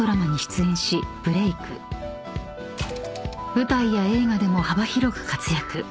［舞台や映画でも幅広く活躍］